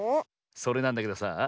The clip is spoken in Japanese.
それなんだけどさあ